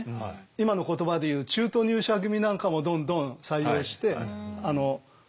今の言葉でいう中途入社組なんかもどんどん採用して功を競わせますよね。